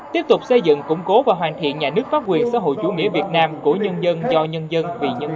tiếp tục xây dựng củng cố và hoàn thiện nhà nước pháp quyền xã hội chủ nghĩa việt nam của nhân dân cho nhân dân vì nhân dân